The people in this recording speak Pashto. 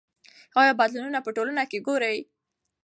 آیا بدلونونه په ټولنه کې ګورئ؟